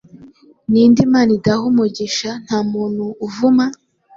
Ninde Imana idaha umugisha ntamuntu uvuma